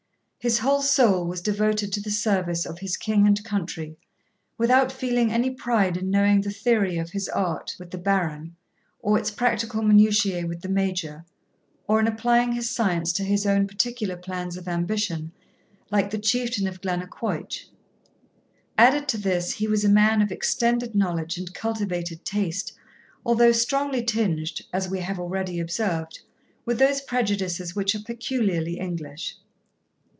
His whole soul was devoted to the service of his king and country, without feeling any pride in knowing the theory of his art with the Baron, or its practical minutiae with the Major, or in applying his science to his own particular plans of ambition, like the Chieftain of Glennaquoich. Added to this, he was a man of extended knowledge and cultivated taste, although strongly tinged, as we have already observed, with those prejudices which are peculiarly English.